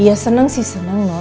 iya seneng sih seneng noh